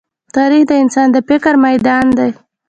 تاریخ د انسان د فکر ميدان دی.